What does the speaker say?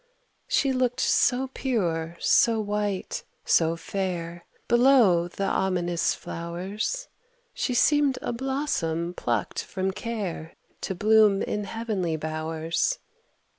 She looked so pure, so white, so fair Below the ominous flowers, She seemed a blossom plucked from care To bloom in heavenly bowers.